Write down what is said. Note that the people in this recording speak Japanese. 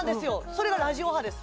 それがラジオ波です